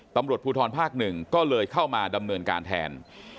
ตำรวจภูทรภาคหนึ่งก็เลยเข้ามาดำเนินการแทน